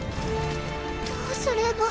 どうすれば。